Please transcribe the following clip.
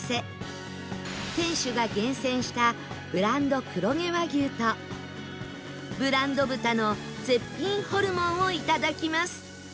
店主が厳選したブランド黒毛和牛とブランド豚の絶品ホルモンをいただきます